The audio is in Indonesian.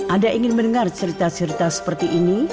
anda ingin mendengar cerita cerita seperti ini